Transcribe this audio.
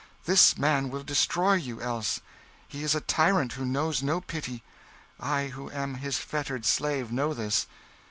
This man will destroy you, else. He is a tyrant who knows no pity. I, who am his fettered slave, know this.